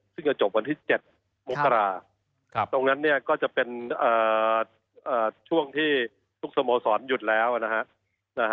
ซึ่งจะจบวันที่๗มกราตรงนั้นเนี่ยก็จะเป็นช่วงที่ทุกสโมสรหยุดแล้วนะฮะ